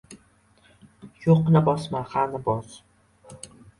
• Nodon sochdan xoda yasaydi.